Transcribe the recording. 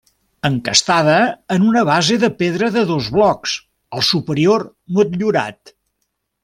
Encastada en una base de pedra de dos blocs, el superior motllurat.